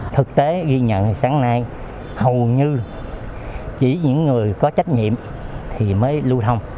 thực tế ghi nhận sáng nay hầu như chỉ những người có trách nhiệm thì mới lưu thông